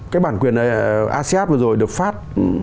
cái bản quyền asean vừa rồi được phát